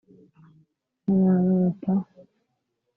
” Sinamwitaho